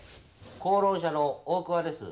講論社の大桑です。